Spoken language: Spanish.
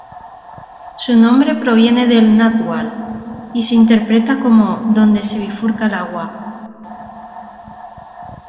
Su nombre proviene del náhuatl y se interpreta como: ""Donde se bifurca el agua"".